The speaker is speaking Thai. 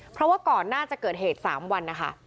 เพราะว่าก่อนหน้าจะเกิดเหตุ๓วันนะคะ